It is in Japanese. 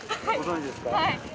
はい。